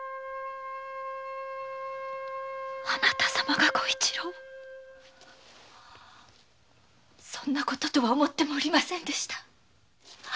あなた様が小一郎をそんなこととは思ってもおりませんでした。